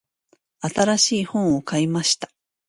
新しい本を買いました。